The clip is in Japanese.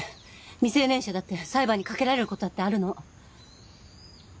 未成年者だって裁判にかけられることだってあるの。